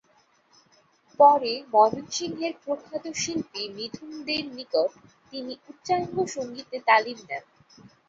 পরে ময়মনসিংহের প্রখ্যাত শিল্পী মিথুন দে’র নিকট তিনি উচ্চাঙ্গসঙ্গীতে তালিম নেন।